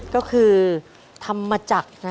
ก็คือทำมาจาก